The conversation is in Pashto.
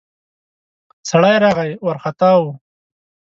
سړی راغی ، وارختا و.